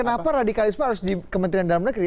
kenapa radikalisme harus di kementerian dalam negeri